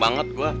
kalo kita beli